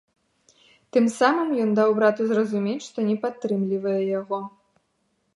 Тым самым ён даў брату зразумець, што не падтрымлівае яго.